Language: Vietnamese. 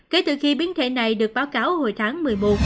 kể từ khi biến thể này được báo cáo hồi tháng một mươi một